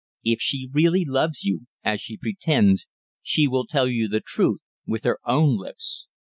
If she really loves you, as she pretends, she will tell you the truth with her own lips!"